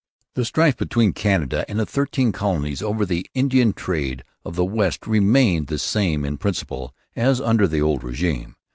The strife between Canada and the Thirteen Colonies over the Indian trade of the West remained the same in principle as under the old regime.